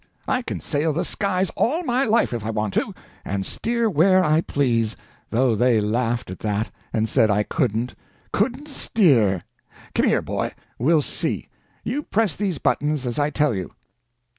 I can sail the skies all my life if I want to, and steer where I please, though they laughed at that, and said I couldn't. Couldn't steer! Come here, boy; we'll see. You press these buttons as I tell you."